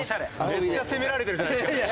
めっちゃ攻められてるじゃないですか。